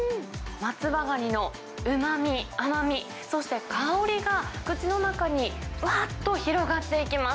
松葉がにのうまみ、甘み、そして、香りが口の中に、ふわっと広がっていきます。